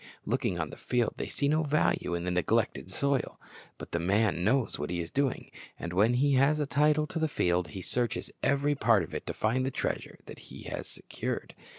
Looking on the field, they see no value in the neglected soil. But the man knows what he is doing; and when he has a title to the field, he searches every part of it to find the treasure that he has secured.